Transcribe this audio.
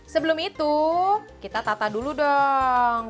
sebelum itu kita tata dulu dong